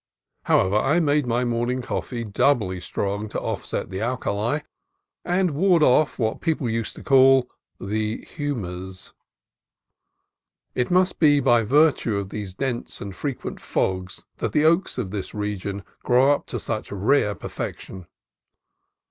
However, I made my morning coffee doubly strong to offset the alkali and ward off what people used to call the "humours." It must be by virtue of these dense and frequent fogs that the oaks of this coast region grow to such rare perfection.